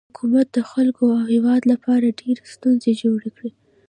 حکومت د خلکو او هیواد لپاره ډیرې ستونزې جوړې کړي.